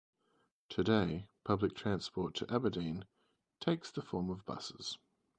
Today, public transport to Aberdeen takes the form of buses.